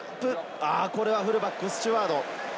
これはフルバックのスチュワード。